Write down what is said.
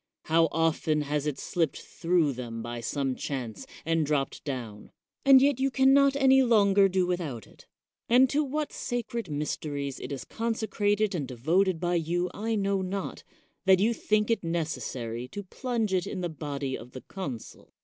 How often has it slipped through them by some chance, and dropped down ? And yet you can not any longer do without it; and to what sacred mysteries it is consecrated and devoted by you I know not, that you think it necessary to plunge it in the body of the consul.